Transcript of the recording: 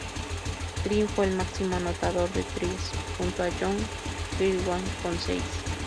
Green fue el máximo anotador de tries junto a John Kirwan con seis.